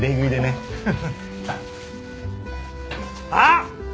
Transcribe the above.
あっ！